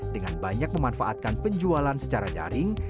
dengan banyak memanfaatkan penjualan secara daring